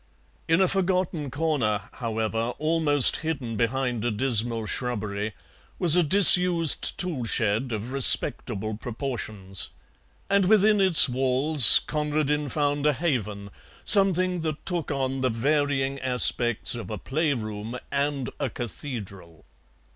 In a forgotten corner, however, almost hidden behind a dismal shrubbery, was a disused tool shed of respectable proportions, and within its walls Conradin found a haven, something that took on the varying aspects of a playroom and a cathedral.